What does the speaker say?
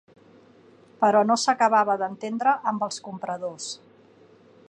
Però no s'acabava d'entendre amb els compradors.